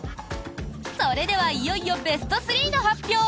それではいよいよベスト３の発表！